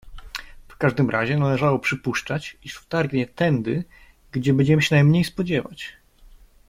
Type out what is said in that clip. "W każdym razie należało przypuszczać, iż wtargnie tędy, gdzie będziemy się najmniej spodziewać."